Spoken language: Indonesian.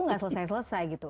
nggak selesai selesai gitu